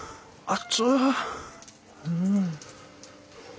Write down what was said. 熱ううん。